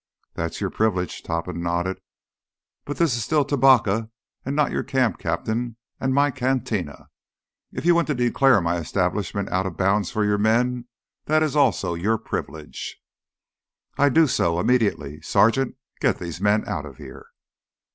"That is your privilege." Topham nodded. "But this is still Tubacca and not your camp, Captain. And my cantina. If you want to declare my establishment out of bounds for your men, that is also your privilege." "I do so—immediately! Sergeant, get these men out of here!"